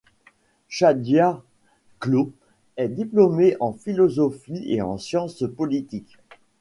Chadia Clot est diplômée en philosophie et en sciences politiques.